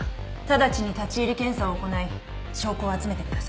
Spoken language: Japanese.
直ちに立入検査を行い証拠を集めてください。